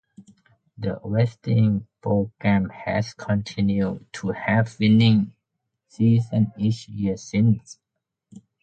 The wrestling program has continued to have a winning season each year since.